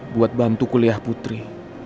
buat bantu kuliah putri